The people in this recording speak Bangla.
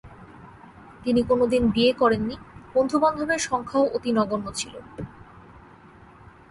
তিনি কোনদিন বিয়ে করেননি, বন্ধুবান্ধবের সংখ্যাও অতি নগণ্য ছিল।